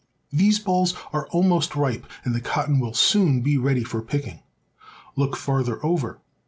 These bolls are almost ripe, and the cotton will soon be ready for picking. Look farther over.